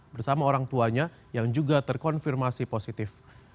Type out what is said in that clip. bersama orang tuanya yang juga terkonfirmasi positif